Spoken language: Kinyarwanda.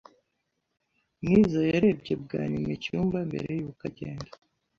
Mwiza yarebye bwa nyuma icyumba mbere yuko agenda.